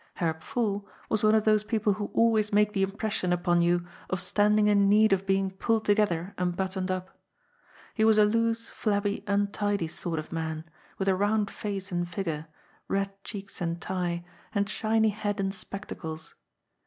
Herr Pfuhl was one of those people who always make the impression upon you of standing in need of being pulled together and buttoned up. He was a loose, flabby, untidy sort of man, with a round face and figure, red cheeks and tie, and shiny head and spectacles.